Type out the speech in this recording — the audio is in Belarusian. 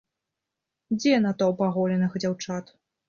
Дзе натоўп аголеных дзяўчат?!